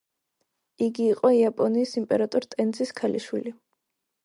იგი იყო იაპონიის იმპერატორ ტენძის ქალიშვილი.